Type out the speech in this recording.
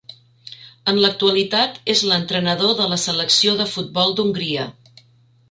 En l'actualitat és l'entrenador de la selecció de futbol d'Hongria.